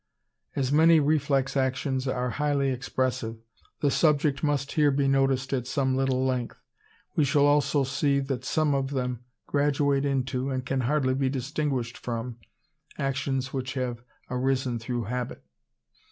As many reflex actions are highly expressive, the subject must here be noticed at some little length. We shall also see that some of them graduate into, and can hardly be distinguished from actions which have arisen through habit?